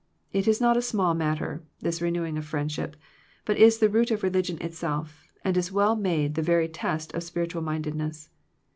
It is not a small matter, this renewing of friendship, but is the root of religion itself, and is well made the very test of spiritual minded ness.